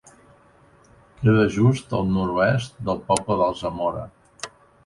Queda just al nord-oest del poble d'Alsamora.